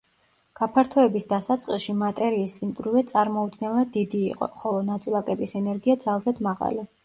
გაფართოების დასაწყისში მატერიის სიმკვრივე წარმოუდგენლად დიდი იყო, ხოლო ნაწილაკების ენერგია ძალზედ მაღალი.